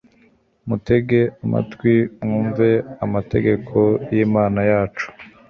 mutege amatwi mwumve amategeko y'Imana yacu,